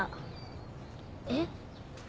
えっ？